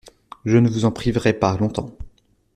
Je ne vous en priverai pas longtemps.